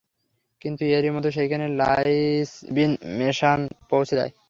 কিন্তু এরই মধ্যে সেখানে লাঈছ বিন মোশান পৌঁছে যায়।